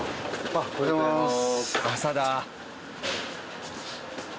おはようございます。